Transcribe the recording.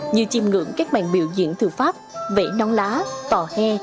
như chìm ngưỡng các màn biểu diễn thừa pháp vẽ non lá tỏ he